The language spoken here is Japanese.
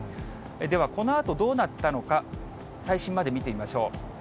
ではこのあとどうなったのか、最新まで見てみましょう。